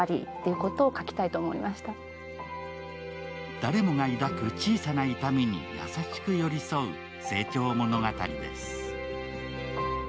誰もが抱く小さな痛みに優しく寄り添う成長物語です。